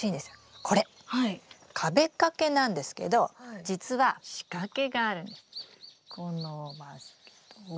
これ壁掛けなんですけどじつは仕掛けがあるんです。